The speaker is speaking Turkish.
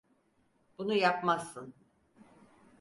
Bunu yapmazsın.